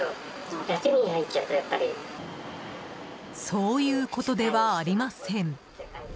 そういうことではありません。